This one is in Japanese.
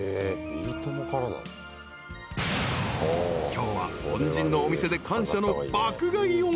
［今日は恩人のお店で感謝の爆買い恩返し］